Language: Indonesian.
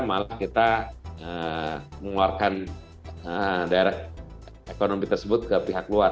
malah kita mengeluarkan direct ekonomi tersebut ke pihak luar